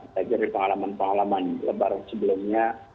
dari pengalaman pengalaman lebaran sebelumnya